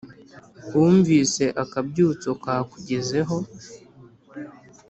wumvise akabyutso ka kugezeho